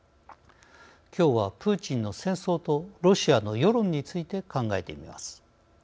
きょうは「プーチンの戦争」とロシアの世論について考えてみます。